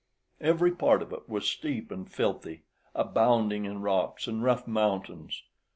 Every part of it was steep and filthy, abounding in rocks and rough mountains.